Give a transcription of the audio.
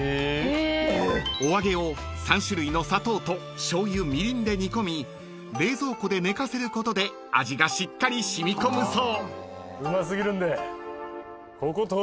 ［お揚げを３種類の砂糖としょうゆみりんで煮込み冷蔵庫で寝かせることで味がしっかり染み込むそう］